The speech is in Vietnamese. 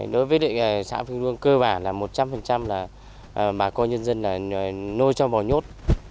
đối với địa sản vinh luân cơ bản là một trăm linh là bà con nhân dân là nôi cho bò nhốt